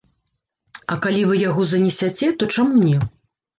Але калі вы яго занесяце, то чаму не.